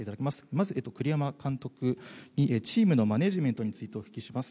まず栗山監督に、チームのマネジメントについてお聞きします。